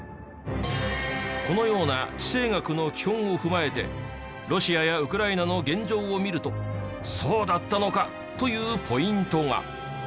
このような地政学の基本を踏まえてロシアやウクライナの現状を見るとそうだったのか！というポイントが。